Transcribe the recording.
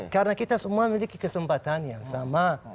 karena kita semua memiliki kesempatan yang sama